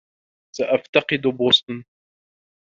سأفتقد بوسطن.